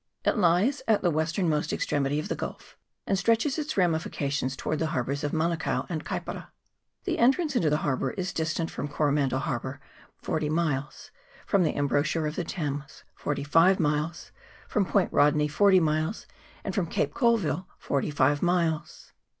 It lies at the westernmost extremity of the gulf, and stretches its ramifications towards the harbours of Manukao and Kaipara. The entrance into the harbour is distant from Co romandel Harbour forty miles, from the embou chure of the Thames forty five miles, from Point Rodney forty miles, and from Cape Colville forty five miles.